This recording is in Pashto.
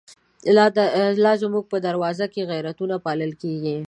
لا زمونږ په دروازو کی، غیرتونه پا لل کیږی